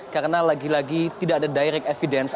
karena lagi lagi tidak ada direct evidence